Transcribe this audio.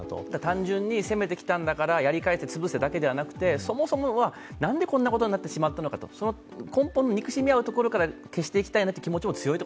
単純に攻めてきたんだからやり返してつぶせというだけではなくてもともと、どうしてこうなってしまったのか、その根本の憎しみ合うところから消していきたいという気持ちも強いと。